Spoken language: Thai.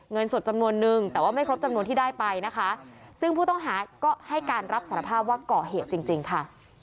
เงินสดจำนวนนึงแต่ว่าไม่ครบจำนวนที่ได้ไปนะคะซึ่งผู้ต้องหาก็ให้การรับสารภาพว่าก่อเหตุจริงจริงค่ะ